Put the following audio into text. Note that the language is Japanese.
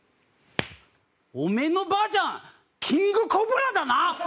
おめえのばあちゃんキングコブラだな！